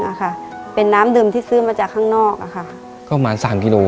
ในแคมเปญพิเศษเกมต่อชีวิตโรงเรียนของหนู